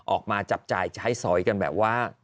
ออกมาจับจ่ายใช้สอยกันแบบว่า